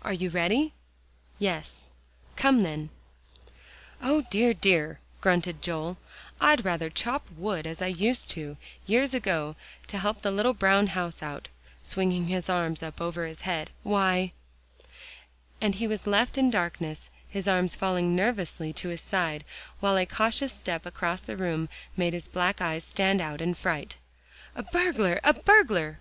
"Are you ready?" Yes. "Come then." "O, dear, dear!" grunted Joel, "I'd rather chop wood as I used to, years ago, to help the little brown house out," swinging his arms up over his head. "Why" And he was left in darkness, his arms falling nervously to his side, while a cautious step across the room made his black eyes stand out in fright. "A burglar a burglar!"